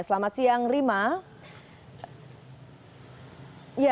selamat siang rima